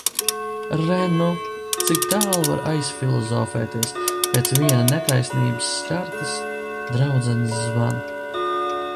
Re nu, cik tālu var aizfilozofēties pēc viena netaisnības skartas draudzenes zvana.